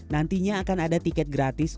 nantinya akan ada tiket gratis